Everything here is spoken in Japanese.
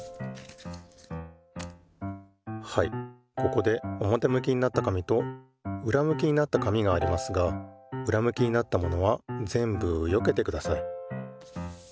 ここでおもてむきになった紙とうらむきになった紙がありますがうらむきになったものはぜんぶよけてください。